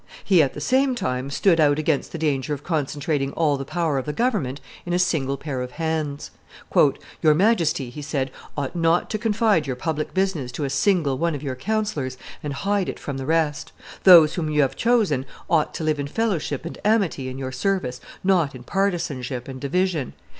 He, at the same time, stood out against the danger of concentrating all the power of the government in a single pair of hands. "Your Majesty," he said, "ought not to confide your public business to a single one of your councillors and hide it from the rest; those whom you have chosen ought to live in fellowship and amity in your service, not in partisanship and division.